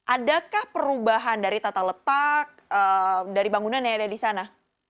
adakah perubahan dari tata letak dari bangunan yang ada di sana